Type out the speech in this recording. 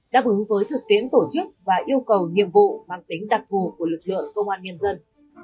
đáp ứng với thực tiễn tổ chức và yêu cầu nhiệm vụ mang tính đặc vụ của lực lượng công an nhân dân